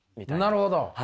なるほど。